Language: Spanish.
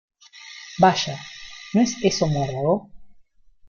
Vaya, ¿ no es eso muérdago?